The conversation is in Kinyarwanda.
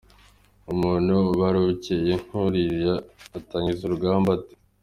Umuntu ubara ubukeye nk’uriya atangiza urugamba ate?